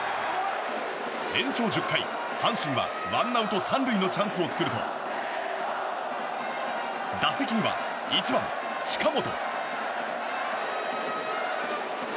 延長１０回、阪神はワンアウト３塁のチャンスを作ると打席には１番、近本。